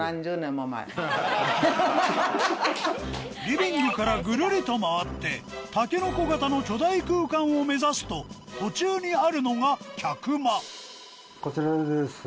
リビングからぐるりと回ってタケノコ型の巨大空間を目指すと途中にあるのが客間こちらです。